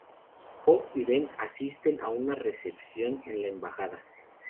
Jo y Ben asisten a una recepción en la embajada.